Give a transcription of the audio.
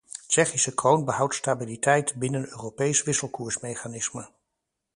Tsjechische kroon behoudt stabiliteit binnen Europees wisselkoersmechanisme.